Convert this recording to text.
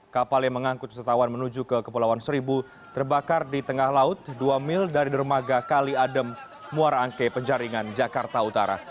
kapal yang mengangkut wisatawan menuju ke kepulauan seribu terbakar di tengah laut dua mil dari dermaga kali adem muara angke penjaringan jakarta utara